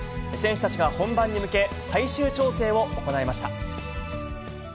選手たちが本番に向け、最終調整を行いました。